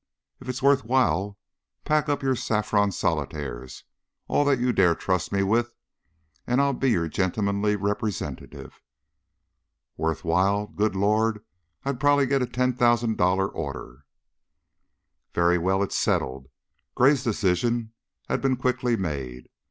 If it's worth while, pack up your saffron solitaires all that you dare trust me with and I'll be your gentlemanly representative." "Worth while? Good Lord! I'd probably get a ten thousand dollar order!" "Very well. It's settled." Gray's decision had been quickly made.